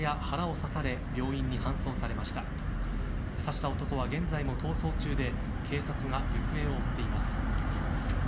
刺した男は現在も逃走中で警察が行方を追っています。